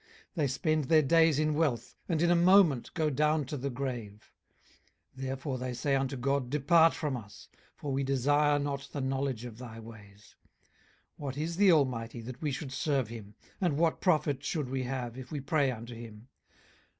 18:021:013 They spend their days in wealth, and in a moment go down to the grave. 18:021:014 Therefore they say unto God, Depart from us; for we desire not the knowledge of thy ways. 18:021:015 What is the Almighty, that we should serve him? and what profit should we have, if we pray unto him?